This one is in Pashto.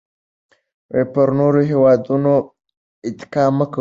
پر نورو هېوادونو اتکا مه کوئ.